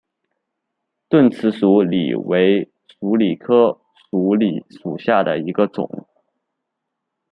钝齿鼠李为鼠李科鼠李属下的一个种。